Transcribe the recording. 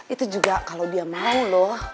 itu juga kalau dia mau loh